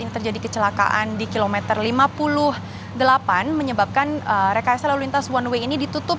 terjadi kecelakaan di kilometer lima puluh delapan menyebabkan rekayasa lalu lintas one way ini ditutup